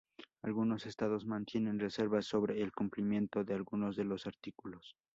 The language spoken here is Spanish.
Algunos estados mantienen reservas sobre el cumplimiento de algunos de los artículos.